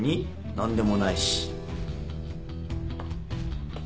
何でもないし。